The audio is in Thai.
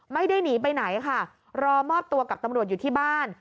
ไม่ได้หนีไปไหนค่ะรอมอบตัวกับตำรวจอยู่ที่บ้าน